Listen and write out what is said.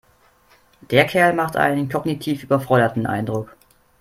Der Kerl macht einen kognitiv überforderten Eindruck.